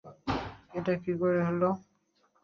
এটা কী করে হলো?